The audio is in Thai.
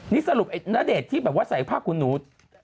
นี่สรุปไอ้ณเดชน์ที่แบบว่าใส่ผ้าขุนหนู